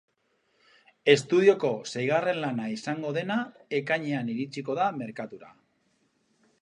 Estudioko seigarren lana izango dena, ekainean iritsiko da merkatura.